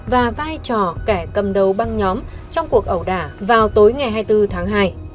và vai trò kẻ cầm đầu băng nhóm trong cuộc ẩu đả vào tối ngày hai mươi bốn tháng hai